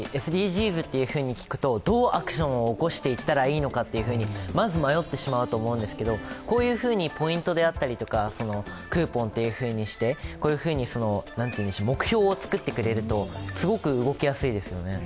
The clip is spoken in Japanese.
ＳＤＧｓと聞くとどうアクションを起こしていったらいいのかまず迷ってしまうと思うんですけど、こういうふうにポイントであったり、クーポンというふうにして目標を作ってくれるとすごく動きやすいですよね。